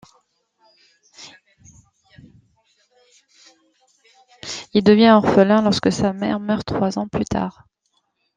Il devient orphelin lorsque sa mère meurt trois ans plus tard.